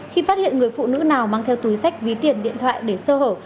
khi phát hiện người phụ nữ nào mang theo túi sách ví tiền điện thoại để sơ hở